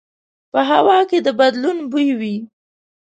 په هوا کې د بدلون بوی وي